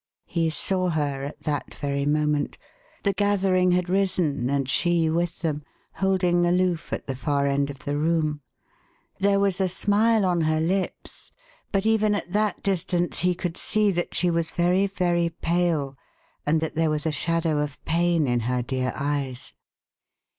He saw her at that very moment. The gathering had risen and she with them holding aloof at the far end of the room. There was a smile on her lips, but even at that distance he could see that she was very, very pale and that there was a shadow of pain in her dear eyes.